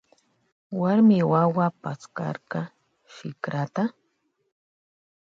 Warmi wawa paskarka shikrata.